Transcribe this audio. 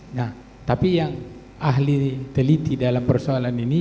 nah tapi yang ahli teliti dalam persoalan ini